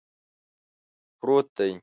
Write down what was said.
پروت دی